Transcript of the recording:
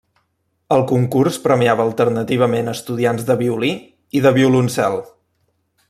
El concurs premiava alternativament estudiants de violí i de violoncel.